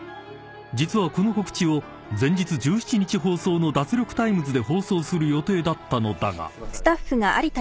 ［実はこの告知を前日１７日放送の『脱力タイムズ』で放送する予定だったのだが］